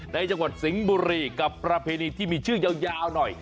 จังหวัดสิงห์บุรีกับประเพณีที่มีชื่อยาวหน่อย